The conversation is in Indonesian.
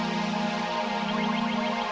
ibuh udah pulang nih